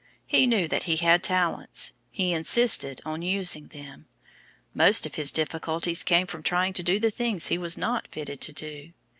He knew that he had talents, he insisted on using them. Most of his difficulties came from trying to do the things he was not fitted to do.